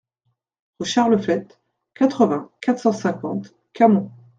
Rue Charles Flet, quatre-vingts, quatre cent cinquante Camon